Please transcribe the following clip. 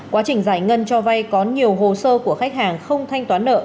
quá trình giải ngân cho vay có nhiều hồ sơ của khách hàng không thanh toán nợ